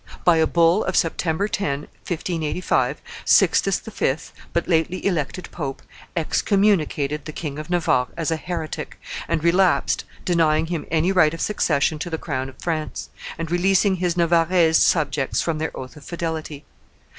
By a bull of September 10, 1585, Sixtus V., but lately elected pope, excommunicated the King of Navarre as a heretic and relapsed, denying him any right of succession to the crown of France, and releasing his Narvarrese subjects from their oath of fidelity.